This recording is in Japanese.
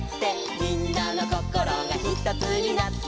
「みんなのこころがひとつになって」